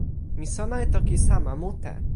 mi sona e toki sama mute.